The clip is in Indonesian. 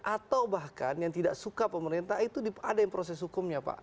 atau bahkan yang tidak suka pemerintah itu ada yang proses hukumnya pak